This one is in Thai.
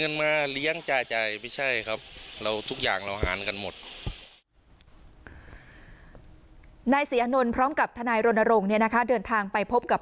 นายสีอานนทร์พร้อมกับทนายรณรงค์เดินทางไปพบกับ